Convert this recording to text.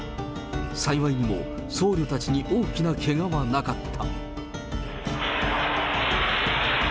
幸いにも僧侶たちに大きなけがはなかった。